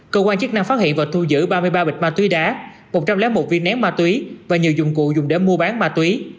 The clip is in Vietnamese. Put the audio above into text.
cơ quan chức năng phát hiện và thu giữ ba mươi ba bịch ma túy đá một trăm linh một viên nén ma túy và nhiều dụng cụ dùng để mua bán ma túy